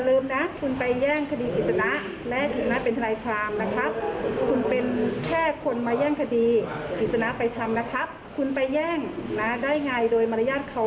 ต้องถูกเนาะลบชื่อออกดูสภาธนาความเลยค่ะ